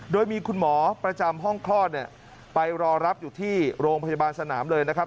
โดยมีคุณหมอประจำห้องคลอดเนี่ยไปรอรับอยู่ที่โรงพยาบาลสนามเลยนะครับ